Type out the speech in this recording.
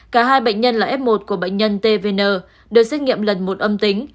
cả hai bệnh nhân là f một của bệnh nhân tvn đều xét nghiệm lần một âm tính